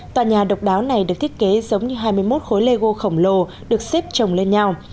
tòa nhà độc đáo này được thiết kế giống như hai mươi một khối lego khổng lồ được xếp trồng lên nhau